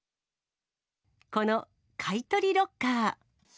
この買い取りロッカー。